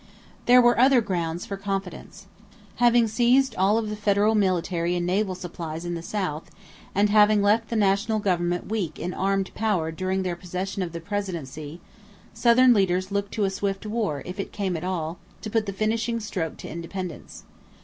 There were other grounds for confidence. Having seized all of the federal military and naval supplies in the South, and having left the national government weak in armed power during their possession of the presidency, Southern leaders looked to a swift war, if it came at all, to put the finishing stroke to independence.